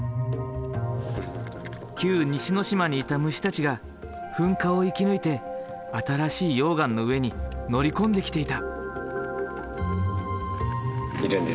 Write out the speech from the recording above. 旧西之島にいた虫たちが噴火を生き抜いて新しい溶岩の上に乗り込んできていた。